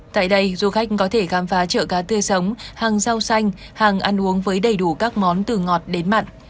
tại đây du khách có thể khám phá chợ cá tươi sống hàng rau xanh hàng ăn uống với đầy đủ các món từ ngọt đến mặn